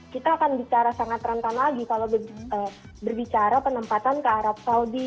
kita akan bicara sangat rentan lagi kalau berbicara penempatan ke arab saudi